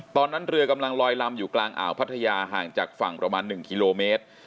ตอนนั้นเรือกำลังลอยลำอยู่กลางอ่าวพัทยาห่างจากฝั่งประมาณ๑กิโลเมตร